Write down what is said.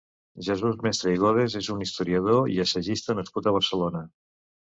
Jesús Mestre i Godes és un historiador i assagista nascut a Barcelona.